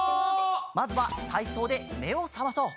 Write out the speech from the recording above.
まずはたいそうでめをさまそう。